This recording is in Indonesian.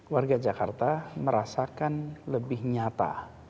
warga jakarta merasakan lebih nyata